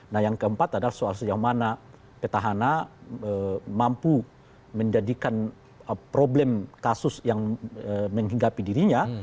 nah yang keempat adalah soal sejauh mana petahana mampu menjadikan problem kasus yang menghinggapi dirinya